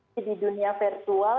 jadi di dunia virtual